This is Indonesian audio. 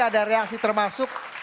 ada reaksi termasuk